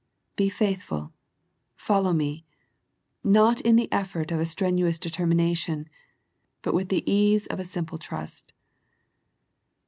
Be faithful, follow Me, not in the effort of a strenuous determination, but with the ease of a simple trust.